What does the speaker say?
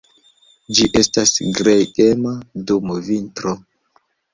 Ĝi estas gregema dum vintro.